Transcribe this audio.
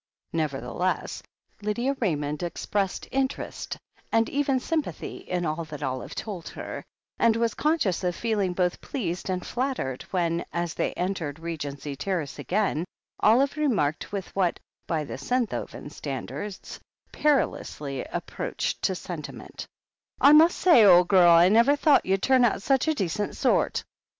Nevertheless, Lydia Raymond expreSfied interest and even sympathy in all that Olive told her, and was con scious of feeling both pleased and flattered when, as they entered Regency Terrace again, Olive remarked with what, by the Senthoven standards, perilously ap proached to sentiment: "I must say, ole gurl, I never thought you'd turn out such a decent sort."